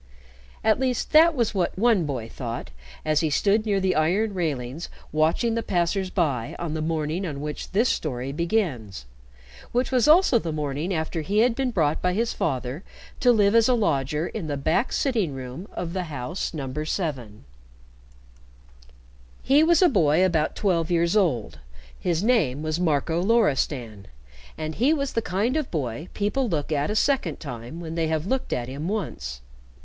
At least that was what one boy thought as he stood near the iron railings watching the passers by on the morning on which this story begins, which was also the morning after he had been brought by his father to live as a lodger in the back sitting room of the house No. 7. He was a boy about twelve years old, his name was Marco Loristan, and he was the kind of boy people look at a second time when they have looked at him once.